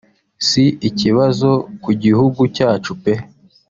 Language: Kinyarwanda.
si ikibazo ku gihugu cyacu pe